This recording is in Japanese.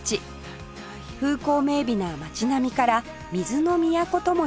風光明媚な町並みから水の都とも呼ばれています